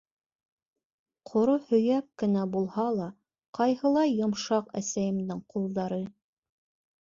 Ҡоро һөйәк кенә булһа ла, ҡайһылай йомшаҡ әсәйемдең ҡулдары...